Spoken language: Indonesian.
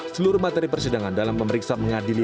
seluruh materi persidangan dalam memeriksa mengadilnya